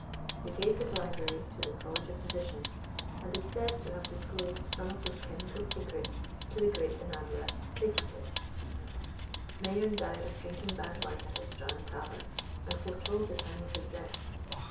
He gave his library to the College of Physicians, and is said to have disclosed some of his chemical secrets to the great enameller, Petitot. Mayerne died of drinking bad wine at a Strand tavern, and foretold the time of his death.